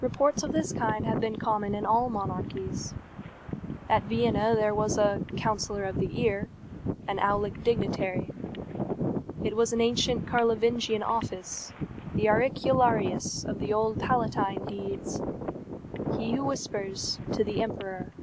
Reports of this kind have been common in all monarchies. At Vienna there was "a counsellor of the ear" an aulic dignitary. It was an ancient Carlovingian office the auricularius of the old palatine deeds. He who whispers to the emperor.